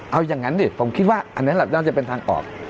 เอาอย่างนั้นดิผมคิดว่าอันนั้นแหละน่าจะเป็นทางออก